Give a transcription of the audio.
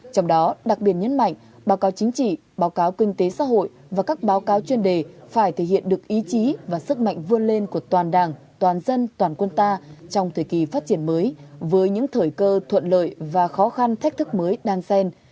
trong đó đặc biệt nhấn mạnh báo cáo chính trị báo cáo kinh tế xã hội và các báo cáo chuyên đề phải thể hiện được ý chí và sức mạnh vươn lên của toàn đảng toàn dân toàn quân ta trong thời kỳ phát triển mới với những thời cơ thuận lợi và khó khăn thách thức mới đan sen